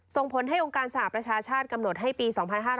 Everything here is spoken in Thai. ส่งผลให้องค์การสหประชาชาติกำหนดให้ปี๒๕๕๙